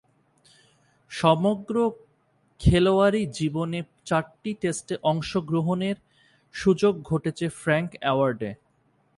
সমগ্র খেলোয়াড়ী জীবনে চারটি টেস্টে অংশগ্রহণের সুযোগ ঘটেছে ফ্রাঙ্ক ওয়ার্ডের।